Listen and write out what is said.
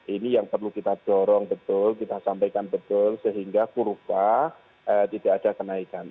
ini yang perlu kita dorong betul kita sampaikan betul sehingga kurva tidak ada kenaikan